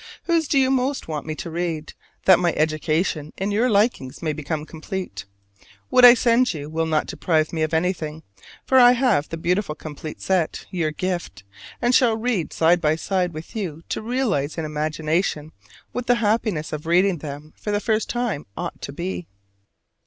Whose do you most want me to read, that my education in your likings may become complete? What I send you will not deprive me of anything: for I have the beautiful complete set your gift and shall read side by side with you to realize in imagination what the happiness of reading them for the first time ought to be.